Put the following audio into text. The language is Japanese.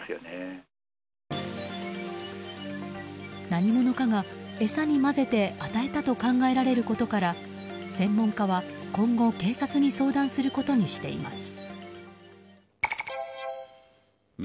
何者かが餌に混ぜて与えたと考えられることから専門家は今後警察に相談することにしています。